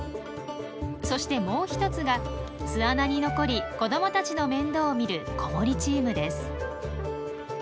そしてもう一つが巣穴に残り子どもたちの面倒を見る子守チームです。